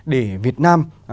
để việt nam